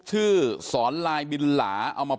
มึงนึกว่าข้ามเขาบ้าง